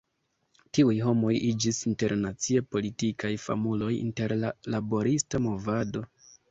Tiuj homoj iĝis internacie politikaj famuloj inter la laborista movado.